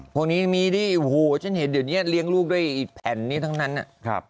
พวกนี้มีที่เฮ้ยเห็นเหมือนเนี่ยเลี้ยงลูกด้วยแผ่นนี้ทั้งนั้นน่ะ